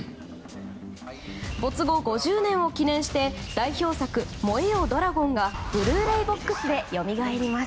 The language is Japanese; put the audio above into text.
没後５０年を記念して代表作「燃えよドラゴン」がブルーレイＢＯＸでよみがえります。